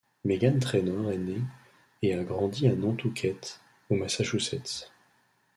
Meghan Trainor est née et a grandi à Nantucket, au Massachusetts.